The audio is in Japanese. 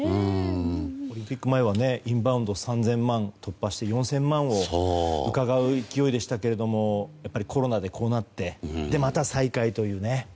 オリンピック前はインバウンド３０００万を突破して４０００万をうかがう勢いでしたけれどもやっぱり、コロナでこうなってまた再開というね。